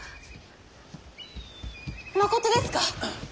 まことですか！？